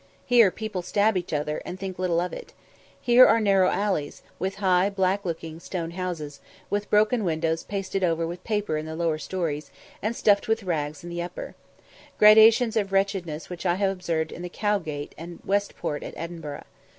Here people stab each other, and think little of it. Here are narrow alleys, with high, black looking, stone houses, with broken windows pasted over with paper in the lower stories, and stuffed with rags in the upper gradations of wretchedness which I have observed in the Cowgate and West Port at Edinburgh.